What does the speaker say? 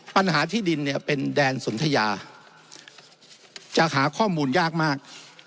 ปัญหาที่ดินเนี่ยเป็นแดนสนทยาจะหาข้อมูลยากมาก